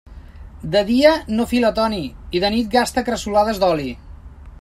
De dia no fila Toni, i de nit gasta cresolades d'oli.